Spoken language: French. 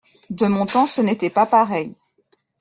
De mon temps, ce n’était pas pareil.